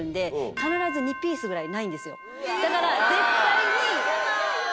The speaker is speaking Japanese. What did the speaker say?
だから。